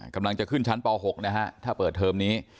กำลังจะขึ้นชั้นป๖นะฮะถ้าเปิดเทอมนี้